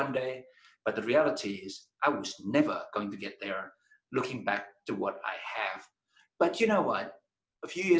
tetapi beberapa tahun kemudian karena hari ini kita hanya berbicara tentang perusahaan